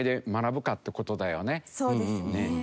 そうですね。